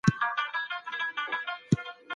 دا د مسلکي کسانو نښه ده.